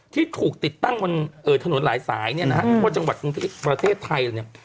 ที่ถูกติดตั้งบนถนนหลายสายนี้นะครับบนจังหวัดประเทศไทย